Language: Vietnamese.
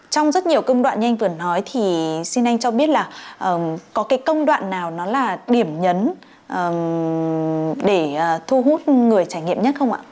trong rất nhiều công đoạn như anh vừa nói thì xin anh cho biết là có cái công đoạn nào nó là điểm nhấn để thu hút người trải nghiệm nhất không ạ